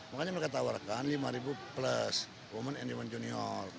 makanya mereka tawarkan lima plus women and young men junior